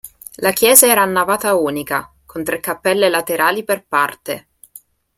La chiesa era a navata unica, con tre cappelle laterali per parte.